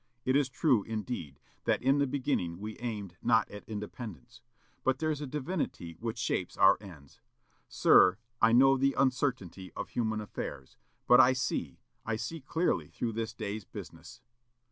It is true, indeed, that in the beginning we aimed not at independence. But there's a Divinity which shapes our ends.... Sir, I know the uncertainty of human affairs, but I see, I see clearly through this day's business.